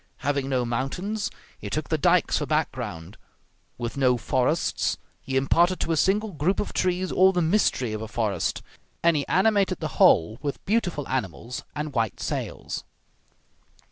Having no mountains, he took the dikes for background; with no forests, he imparted to a single group of trees all the mystery of a forest; and he animated the whole with beautiful animals and white sails.